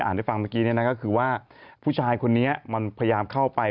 ได้ฟังเมื่อกี้เนี่ยนะก็คือว่าผู้ชายคนนี้มันพยายามเข้าไป